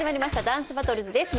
『ダンスバトルズ』です。